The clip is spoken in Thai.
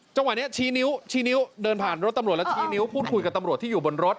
จบวันเนี้ยชี้นิ้วเดินผ่านรถตำรวจและพูดคุยกับตำรวจที่อยู่บนรถ